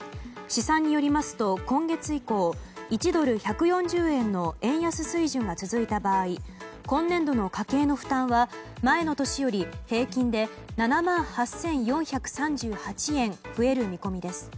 試算によりますと今月以降１ドル＝１４０円の円安水準が続いた場合今年度の家計の負担は前の年より平均で７万８４３８円増える見込みです。